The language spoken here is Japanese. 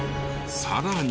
さらに。